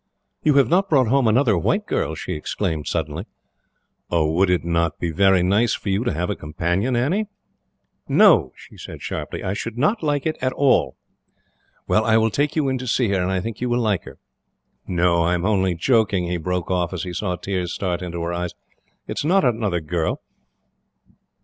"You have not brought home another white girl?" she exclaimed suddenly. "Would it not be very nice for you to have a companion, Annie?" "No," she said sharply; "I should not like it at all." "Well, I will take you in to see her, and I think you will like her. "No; I am only joking," he broke off, as he saw tears start into her eyes. "It is not another girl.